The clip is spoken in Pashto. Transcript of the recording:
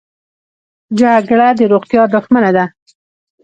جګړه د روغتیا دښمنه ده